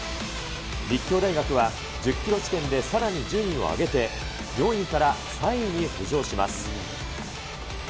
立教大学は１０キロ地点でさらに順位を上げて、４位から３位に浮上します。